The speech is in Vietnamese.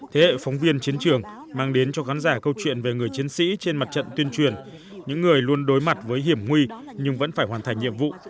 thế hệ phóng viên chiến trường mang đến cho khán giả câu chuyện về người chiến sĩ trên mặt trận tuyên truyền những người luôn đối mặt với hiểm nguy nhưng vẫn phải hoàn thành nhiệm vụ